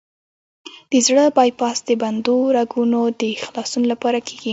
د زړه بای پاس د بندو رګونو د خلاصون لپاره کېږي.